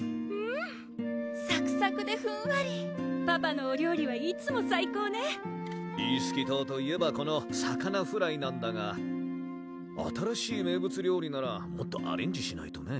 サクサクでふんわりパパのお料理はいつも最高ねイースキ島といえばこの魚フライなんだが新しい名物料理ならもっとアレンジしないとね